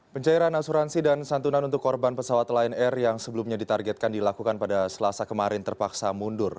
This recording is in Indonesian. pencairan asuransi dan santunan untuk korban pesawat lion air yang sebelumnya ditargetkan dilakukan pada selasa kemarin terpaksa mundur